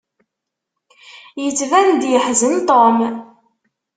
Yettban-d yeḥzen Tom.